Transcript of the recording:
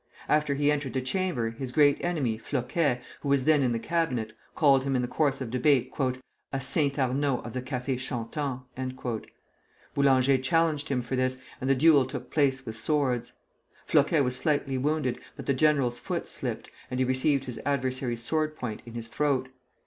After he entered the Chamber, his great enemy, Floquet, who was then in the Cabinet, called him in the course of debate "A Saint Arnaud of the cafés chantants!" Boulanger challenged him for this, and the duel took place with swords. Floquet was slightly wounded, but the general's foot slipped, and he received his adversary's sword point in his throat.